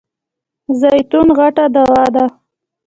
زیتون غټه دوا ده .